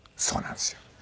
そうなんですよ。